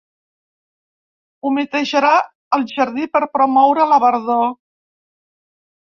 Humitejarà el jardí per promoure la verdor.